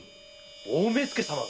大目付様が？